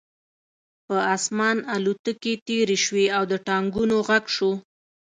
په آسمان الوتکې تېرې شوې او د ټانکونو غږ شو